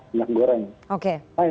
maksudnya ini kan minyak goreng